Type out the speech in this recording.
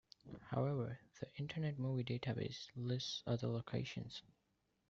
However, the Internet Movie Database lists other locations.